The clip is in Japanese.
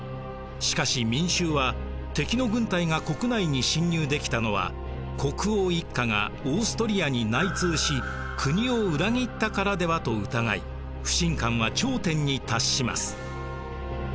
しかし民衆は敵の軍隊が国内に侵入できたのは「国王一家がオーストリアに内通し国を裏切ったからでは」と疑い不信感は頂点に達します。